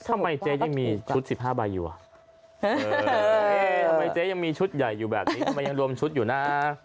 ทำไมเจ๊ยังมีชุด๑๕ใบอยู่อ่ะเจ๊ทำไมเจ๊ยังมีชุดใหญ่อยู่แบบนี้ทำไมยังรวมชุดอยู่นะ